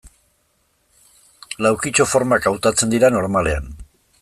Laukitxo formak hautatzen dira normalean.